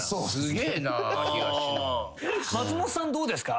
松本さんどうですか？